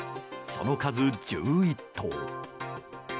その数１１頭。